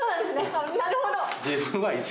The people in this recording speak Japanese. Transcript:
なるほど。